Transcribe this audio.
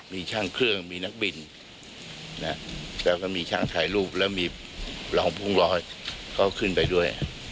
มีช่างเครื่องมีนักบินแล้วก็มีช่างถ่ายรูปแล้วมีรองพุ่งร้อยเขาขึ้นไปด้วย